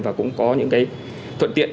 và cũng có những cái thuận tiện